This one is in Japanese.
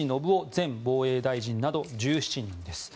前防衛大臣など１７人です。